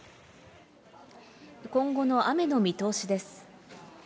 今後の雨の見通しです。